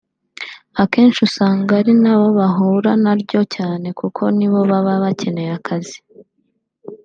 Akenshi usanga ari na bo bahura na ryo cyane kuko ni bo baba bakeneye akazi